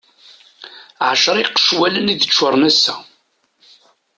Ɛecra iqecwalen i d-ččuren ass-a.